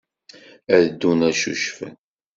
Ad ddun ad ccucfen.